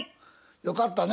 よかったね